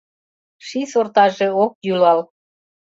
Ший сортаже ок йӱлал